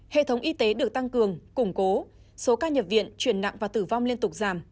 hệ thống y tế được tăng cường củng cố số ca nhập viện chuyển nặng và tử vong liên tục giảm